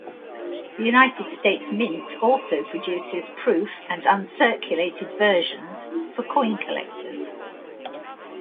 The United States Mint also produces proof and uncirculated versions for coin collectors.